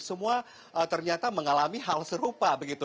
semua ternyata mengalami hal serupa begitu